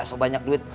sok banyak duit